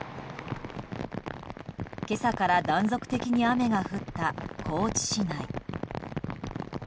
今朝から断続的に雨が降った高知市内。